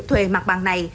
thuê mặt bằng này